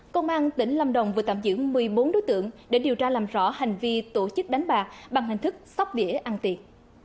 công an tỉnh lâm đồng vừa tạm giữ một mươi bốn đối tượng để điều tra làm rõ hành vi tổ chức đánh bạc bằng hình thức sóc đĩa ăn tiền